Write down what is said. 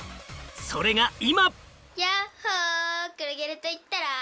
それが今。